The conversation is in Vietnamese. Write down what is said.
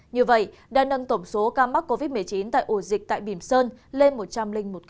như vậy đã nâng tổng số ca mắc covid một mươi chín tại ổ dịch tại bìm sơn lên một trăm linh một ca